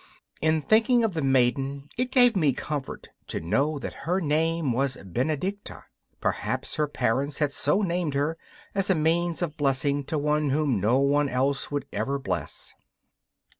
In thinking of the maiden it gave me comfort to know that her name was Benedicta. Perhaps her parents had so named her as a means of blessing to one whom no one else would ever bless.